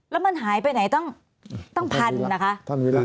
แล้วมันหายไปไหนต้อง๑๐๐๐นะคะ